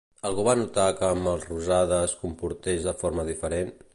Algú va notar que en Melrosada es comportés de forma diferent?